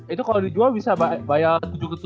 itu kalau dijual bisa bayar tujuh kesurunan tuh